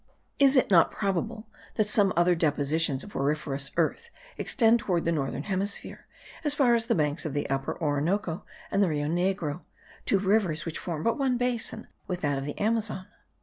Is it not probable that some other depositions of auriferous earth extend toward the northern hemisphere, as far as the banks of the Upper Orinoco and the Rio Negro, two rivers which form but one basin with that of the Amazon?